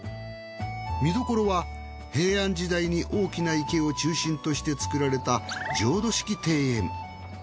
見どころは平安時代に大きな池を中心として造られた浄土式庭園。